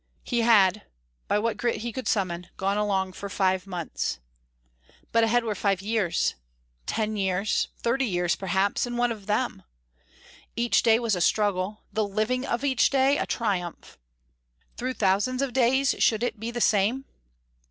He had, by what grit he could summon, gone along for five months. But ahead were five years, ten years, thirty years, perhaps, and what of them? Each day was a struggle; the living of each day a triumph. Through thousands of days should it be the same?